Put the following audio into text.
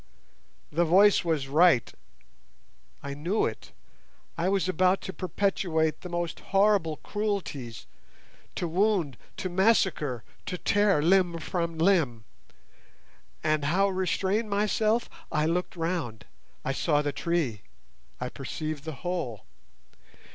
The voice was right. I knew it; I was about to perpetrate the most horrible cruelties: to wound! to massacre! to tear limb from limb! And how restrain myself? I looked round; I saw the tree, I perceived the hole.